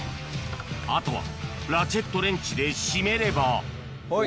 あとはラチェットレンチで締めればはい。